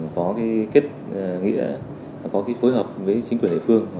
có kết nghĩa có phối hợp với chính quyền địa phương